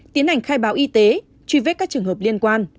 tiến hành khai báo y tế truy vết các trường hợp liên quan